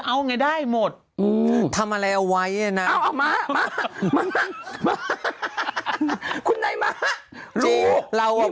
เอาไงได้หมดอืมทำอะไรเอาไว้เอามามามามาคุณในมารู้เรา